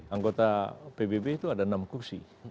anggota pbb itu ada enam kursi